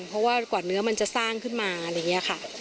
เพราะว่ากว่าเนื้อมันจะสร้างขึ้นมาอะไรอย่างนี้ค่ะ